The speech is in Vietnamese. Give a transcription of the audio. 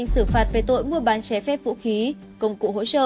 xử phạt về tội mua bán trái phép vũ khí công cụ hỗ trợ